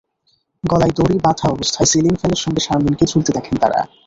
গলায় দড়ি বাঁধা অবস্থায় সিলিং ফ্যানের সঙ্গে শারমিনকে ঝুলতে দেখেন তাঁরা।